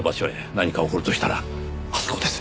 何か起こるとしたらあそこです。